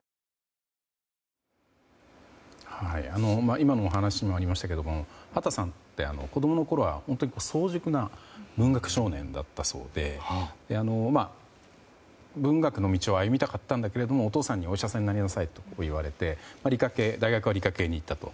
今のお話にもありましたが畑さんって子供のころは早熟な文学少年だったそうで文学の道を歩みたかったんだけれどもお父さんにお医者さんになりなさいと言われて大学は理科系に行ったと。